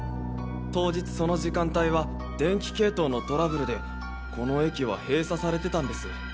当日その時間帯は電気系統のトラブルでこの駅は閉鎖されてたんです。